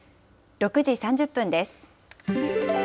６時３０分です。